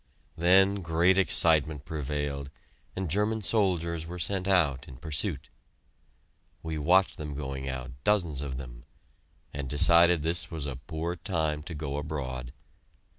Then great excitement prevailed, and German soldiers were sent out in pursuit. We watched them going out, dozens of them, and decided this was a poor time to go abroad.